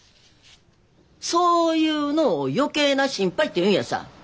そういうのを余計な心配って言うんやさ。